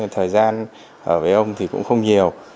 thời gian ở với ông thì cũng không nhiều